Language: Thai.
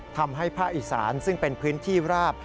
ภาคอีสานซึ่งเป็นพื้นที่ราบ